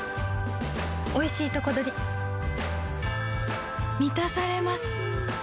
おいしいとこどりみたされます